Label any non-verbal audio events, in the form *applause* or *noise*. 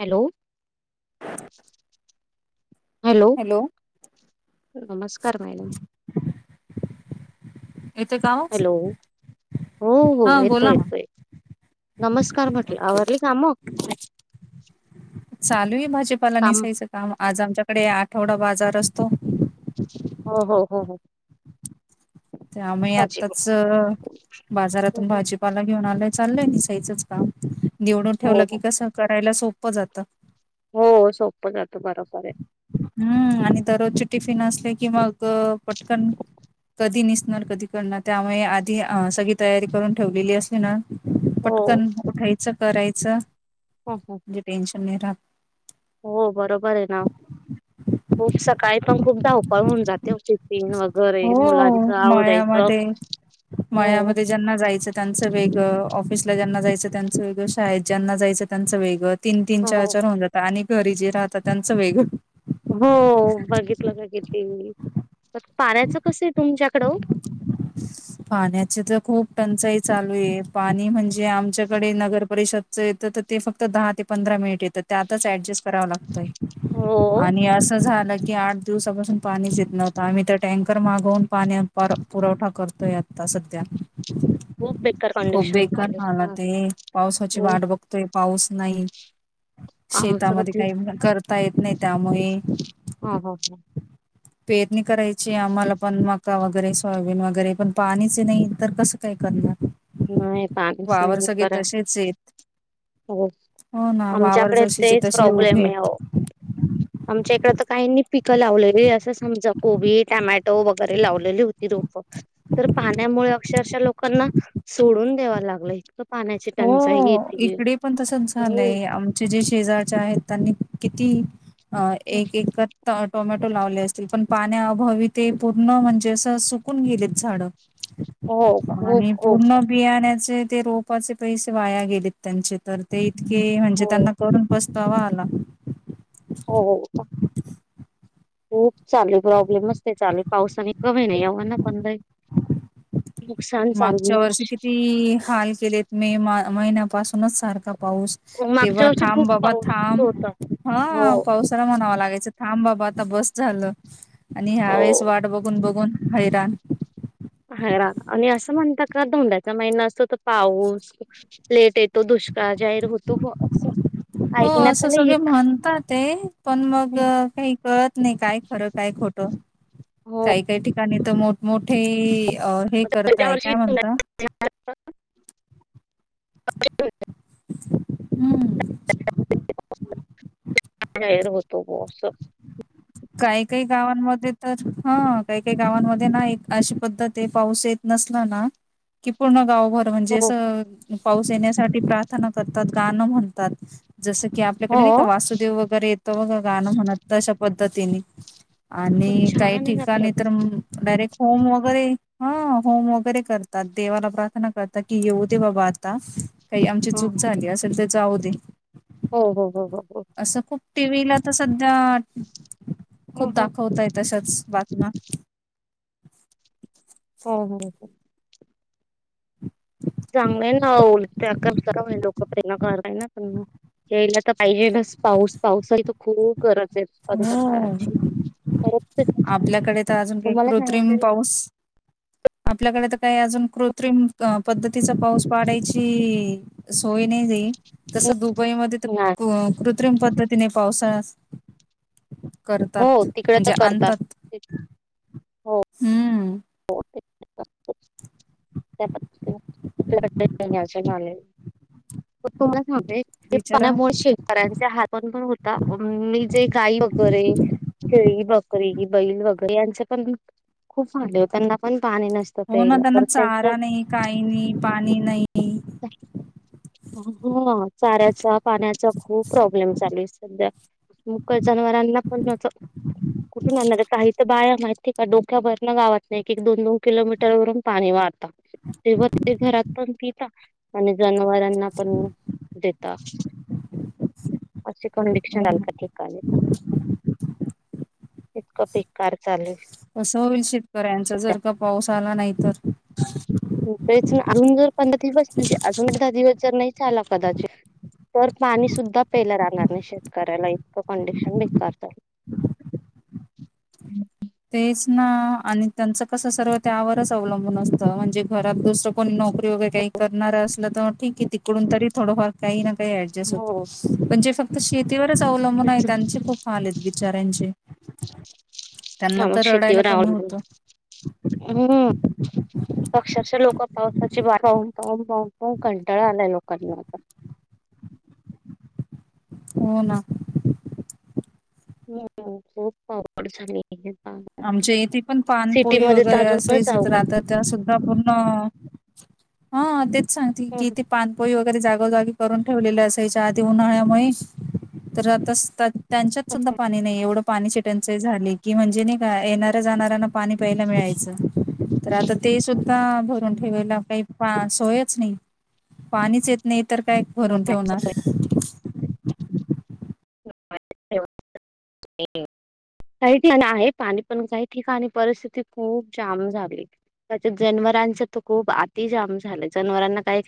Hello. Hello. नमस्कार madam. येतोय का आवाज हॅलो. हो हो हा येतोय बोला ना येतोय. नमस्कार म्हटलं. आवरली काम? चालूय भाजीपाला निसायचं काम. आज आमच्याकडे आठवडा बाजार असतो. हो हो. हो हो. त्यामुळे पाजी हो आत्ताच, बाजारातून भाजी पाला घेऊन आलेय. चालंय निसायचंच काम. निवडून ठेवलं की हो कसं, करायला सोपं जातं. हो सोप जातं. बरोबरे. हम्म आणि दररोजचे टिफिन असले की, मग पटकन कधी निसणार? कधी करणार? त्यामुळे आधी सगळी तयारी करून ठेवलेली असली ना. हो पटकन उठायचं. करायच. हो हो. मं टेन्शन नाही राहत. हो बरोबरे ना, खूप सकाळी पण खूप धावपळ होऊन जाते उचित हो मळ्यामध्ये, हो मळ्यामध्ये ज्यांना जायचं त्यांचं वेगळ. ऑफिसला ज्यांना जायचं त्यांचं वेगळं. शाळेत ज्यांना जायचं त्यांचं वेगं तीन तीन चार हो चार होऊन जातात. आणि घरी जे राहतात, त्यांचं वेगळं. हो बघितलं बघितली मी. पण पाण्यचं कसय तुमच्याकडं ओ? पाण्याची तर खूप टंचाई चालूये. पाणी म्हणजे, आमच्याकडे नगर पररिषद च येतं त. ते फक्त दहा ते पंधरा मिनिट येतं. त्यातच ऍडजस्ट करावं लागतंय. हो आणि असं झालं की आठ दिवसापासून पाणीच येत नव्हतं. आम्ही तर टँकर मागवून पाणी पुरवठा करतोय आता सध्या. खूप बेकार खूप कंडिशन बेकार चालू आहे. हालाते. पावसाची हो वाट बघतोय, पाऊस नाही. आमचं तर शेतामध्ये ते काही करता येत नाही त्यामुळे. हा हा पेरणी करायची आम्हाला पण, मका वगैरे सोयाबीन वग गैरे. पण पाणीच नाही तर कसं काय करणार? नाही पाणीच वावर नाहीये सगळे खर. तसेच आहेत हो. हो ना वावर आमच्याकडे जसेचे तेच तसे उभे प्रॉब्लेमे आहेत आहो. आमच्या इकड तर काहींनी पिकं लावलेली. असं समज कोबी, टमॅटो वगैरे लावलेली होती रोफ. तर पाण्यामुळे अक्षरशः लोकांना सोडून द्यावा लागलं. इत हो. इकडे पण तसच हो झालंय. आम ची जे शेजारच्या आहेत. त्यांनी किती अ एक एकर टोमॅटो लावले असतील. पण पाण्याअभावी ते पूर्ण म्हणजे, असं सुकून गेलेत झाडं. हो खूप आणि खूप पूर्ण बियाण्याचे ते रोप पा चे पैसे वाया गेलेत त्यांचे. तर ते इतके म्हणजे, हो त्यांना करून पसतावा आला हो *unintelligible* खूप चालू प्रॉब्लेम नुसते चालु, पावसाने कमी नाही येव ना पण बाई मागच्या वर्षी आहे. किती, हाल केलेत मे मा महिन्यापासूनच सारखा पाऊस. मागच्या तेव्हा वर्षी खूप थांब बाबा पाऊस थांब, होता हो हा पाऊस म्हणाव लागायच थांब बाबा आता बस झालं, आणि हो ह्यावेेळेस वाट बघून बघून हैराण हैराण, आणि असं म्हणतात का धोंड्याचा महिना असतो तो पाऊस लेट येत. तो दुष्काळ जाहीर होतो. अस हो असं सगळे म्हणतात ते, पण मग काही कळत नाही काय खरं काय खोट. हो काही काही ठिकाणी तर मोठमोठे अ हे करताय, काय म्हणत हम्म *inaudible* र होतो बस *inaudible* काही काही गावांमध्ये तर, हा काही काही गावांमध्ये नाही अशी पद्धत आहे पाऊस येत नसला ना, की पूर्ण गावभर म्हणजे हो हो पाऊस येण्यासाठी प्रार्थना करतात. गाणं म्हणतात. जस की हो आपल्याकडे नाही का, वासुदेव वगैरे येतो बघा गाणं म्हणत अशा पद्धतीने हो आणि छान काही आहे ना परत ठिकाणी तर डायरेक्ट होम वगैरे, हा होम वगैरे करतात देवाला प्रार्थना करतात कि येऊ दे बाबा आता. काही आमची हो चूक झाली असेल तर, जाऊ दे. हो हो हो हो हो,, असं खूप, टी व्हीला तर सध्या हो खूप हो हो दाखवतय अशाच बातम्या. हो हो हो,, चांगलंय ना लतेरा *unintelligible* लोक प्रेणा कय ना त्यांना यायला तर पाहिजे ना पाऊस, पावसाही तर खूप गरज आहे. आताच्या हो, काळाची परत ते आपल्याकडे तर अजून काही तुम्हाला कृत्रिम सांगितलेल पाऊस आपल्याकडे तर काही अजून कृत्रिम पद्धतीचा पाऊस पाडायची सोय नाही ती, तसं दुबईमध्ये तर क कृत्रिम पद्धतीने पावसाळा हो करतात तिकड तर म्हणजे करता, आणतात हो हम्म हो *unintelligible* त्या पद् *unintelligible* हो तो सांबे *unintelligible* ते बिचारा पणामुळे शेतकऱ्यांचे हातण *unintelligible* पण होता मी जे गाई वगैरे शेळी, बकरी, बैल वगैरे यांचे पण खूप हाल होतात. त्यांना पण पाणी नसते. हो ना त्यांना चारा नाही, काही नाही पाणी नाही का *inaudible* ह चाऱ्याचा, पाण्याचा, खूप प्रॉब्लेम चालेू सध्या. मुक्या जनावरांना पण अस कुठून आणणार, काही तर बाया माहिती का डोक्या वर ना गावात नाही एक दोन दोन किलोमीटर वरून पाणी वाहता. तेव्हा ते घरात पण पिता आणि जनावरांना पण देता. अस कोण हो रिक्शन अ *unintelligible* ल ना. का ठीका ना इतकं बेकार चालू आहे कसं होईल शेतकऱ्यांच सध्या. जर का पाऊस आला नाही तर? तेच ना, अजून जर पंधरा दिवस म्हणजे अजून दहा दिवस जर नाही चाला कदाचित तरं पाणी सुद्धां पेलं राहणांर नाहीं शेतकऱ्यांला इतकं कंडिशन बेकांर तरं हम्मं तेचं नां आणि त्यांचं कसं सर्व त्यावरचं अवलंबून असतं म्हणजे घरांत दुसरं कोणी नोकरी नोकरी वगैरें कांहीं करणारं असलं तरं ठीक तिकडूंन तरी थोडंफार कांहीं नां कांहीं ऍडजस्ट हो होतं पणं जे फक्तं शेतीवरचं अवलंबून आहे त्यांचे खूंप हांल आहेतं बिचऱ्यांचे कामं शेतीवरं आवं लबूंन होत हम्मं अक्षरशः लोकं पावसांची वाटं पाहून पाहून पाहून कंटाळा आलांय लोकांना आंता हो नां हो नांव रोजचं पाऊस पडे नाहीं की आंता आमच्या इथे पणं पांनपोई वगैरें अजूनच असायंच असं आंता तरं ते असं आंता पूर्ण हां तेचं सांगते की ते अवघड पाणं पोई वगैरें जागोजांगी करूंन ठेवलेले असांयच्या आंधी उन्हाळ्यांमुळे तरं आताचं त्यांच्यांत सुद्धां पाणी नाहीं एवढं पाणी ट्यांचे झाले की म्हणजे नाहीं कां येणाऱ्यां जाणाऱ्यांना पाणी प्यांयला मिळायचं तरं आंता ते सुद्धां भरूंन ठेवांयला कांहीं सोयचं नाहीं पाणीच येतं येतं नाहीं तरं कायं भरूंन ठेवणारं *unintelligible* *unintelligible* कांहीं ठिकांणी आहे पाणी पणं कांहीं ठिकांणी परिस्थिती खूपचं जांम झाली त्यांच्यांत जनवरांच तरं खूंप अंति जांम झालं जनवरांना कांहीं कायं